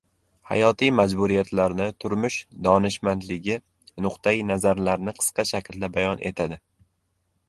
hayotiy majburiyatlarni, turmush donishmandligi, nuqtai nazarlarni qisqa shaklda bayon etadi.